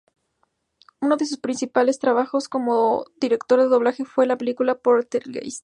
Uno de sus primeros trabajos como director de doblaje fue en la película "Poltergeist".